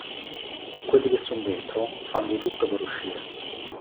Quelli che son dentro, fan di tutto per uscire.